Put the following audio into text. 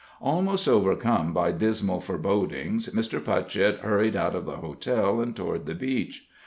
Almost overcome by dismal forebodings, Mr. Putchett hurried out of the hotel and toward the beach.